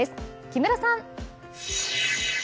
木村さん！